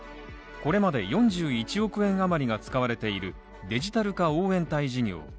これまで４１億円余りが使われているデジタル化応援隊事業。